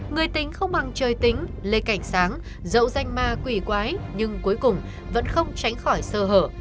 người tính không bằng trời tính lê cảnh sáng dẫu danh ma quỷ quái nhưng cuối cùng vẫn không tránh khỏi sơ hở